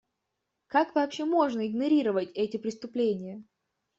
Как вообще можно игнорировать эти преступления?